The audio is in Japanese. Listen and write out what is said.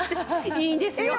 いいんですよ。